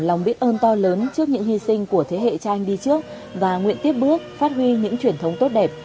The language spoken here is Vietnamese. lòng biết ơn to lớn trước những hy sinh của thế hệ cha anh đi trước và nguyện tiếp bước phát huy những truyền thống tốt đẹp